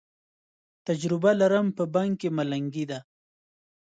تجره لرم، په بنګ کې ملنګي ده